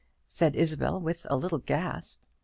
said Isabel, with a little gasp.